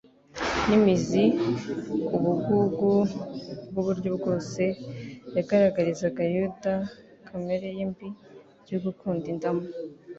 n'imizi ubugugu bw'uburyo bwose. Yagaragarizaga Yuda kamere ye mbi yo gukunda indamu